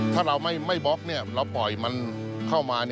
ถ้าเราไม่บล็อกเราปล่อยมันเข้ามา